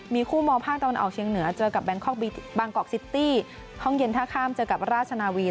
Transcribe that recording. มีคู่มองภาคตะวันออกเชียงเหนือเจอกับแบงคอกบางกอกซิตี้ห้องเย็นท่าข้ามเจอกับราชนาวี